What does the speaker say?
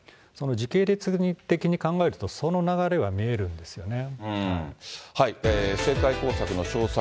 時系列的に考えると、その流れが見えるんですよね。